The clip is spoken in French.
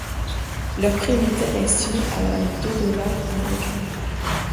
Leur prix unitaire est estimé à de dollars américain.